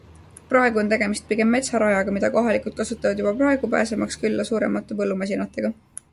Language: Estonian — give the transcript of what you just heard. Praegu on tegemist pigem metsarajaga, mida kohalikud kasutavad juba praegu, pääsemaks külla suuremate põllumasinatega.